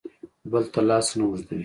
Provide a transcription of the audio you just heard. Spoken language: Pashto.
بل ته لاس نه اوږدوي.